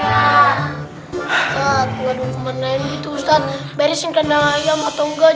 beresin kandang ayam atau enggak